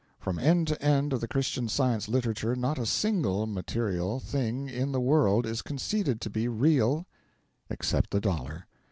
From end to end of the Christian Science literature not a single (material) thing in the world is conceded to be real, except the Dollar.